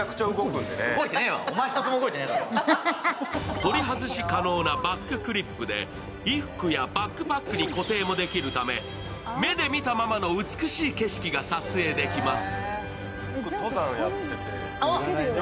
取り外し可能なバッククリップで衣服やバックパックに固定もできるため、目で見たままの美しい景色が撮影できます。